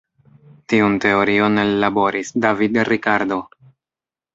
Tiun teorion ellaboris David Ricardo.